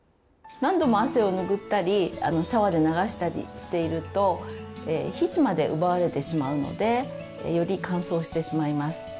何度も汗を拭ったりシャワーで流したりしていると皮脂まで奪われてしまうのでより乾燥してしまいます。